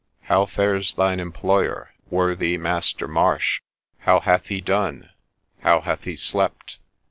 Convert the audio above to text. How fares thine employer, worthy Master Marsh ? How hath he done ? How hath he slept